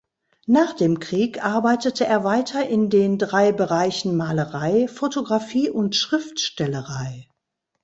Nach dem Krieg arbeitete er weiter in den drei Bereichen Malerei, Fotografie und Schriftstellerei.